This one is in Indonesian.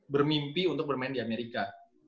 bermimpi untuk bermain di amerika